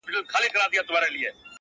o زه د ګرېوان په څېرېدلو غاړه نه باسمه,